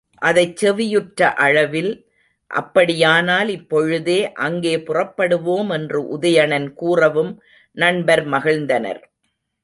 அதைச் செவியுற்ற அளவில், அப்படியானால் இப்பொழுதே அங்கே புறப்படுவோம் என்று உதயணன் கூறவும் நண்பர் மகிழ்ந்தனர்.